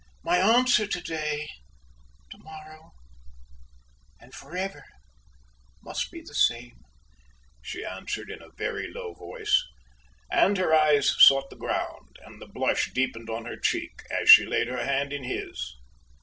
My answer to day, to morrow, and forever, must be the same," she answered, in a very low voice; and her eyes sought the ground, and the blush deepened on her cheek, as she laid her hand in his.